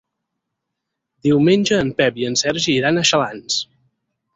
Diumenge en Pep i en Sergi iran a Xalans.